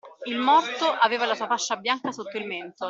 Il morto aveva la sua fascia bianca sotto il mento.